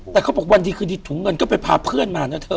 แต่เขาบอกวันดีคืนดีถุงเงินก็ไปพาเพื่อนมานะเธอ